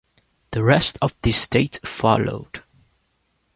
The rest of the state followed.